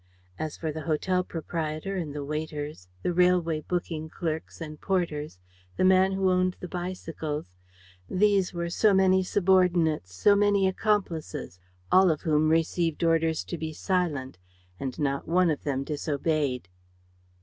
As for the hotel proprietor and waiters, the railway booking clerks and porters, the man who owned the bicycles: these were so many subordinates, so many accomplices, all of whom received orders to be silent; and not one of them disobeyed."